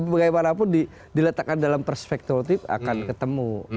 bagaimanapun diletakkan dalam perspektif akan ketemu